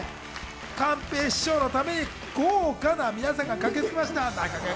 寛平師匠のために豪華な皆さんが駆けつけました。